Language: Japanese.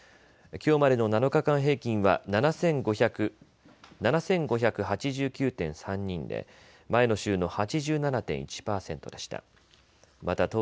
きょうまでの７日間平均は７５８９．３人で前の週の８７．１％でした。